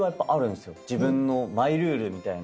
自分のマイルールみたいな。